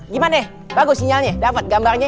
gimana bagus sinyalnya dapat gambarnya